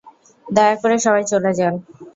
দয়া করে, সবাই চলে যান!